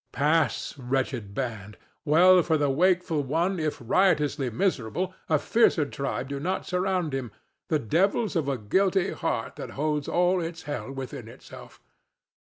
Pass, wretched band! Well for the wakeful one if, riotously miserable, a fiercer tribe do not surround him—the devils of a guilty heart that holds its hell within itself.